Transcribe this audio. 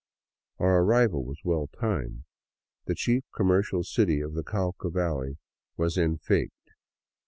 Our arrival was well timed. The chief commercial city of the Cauca valley was en fete.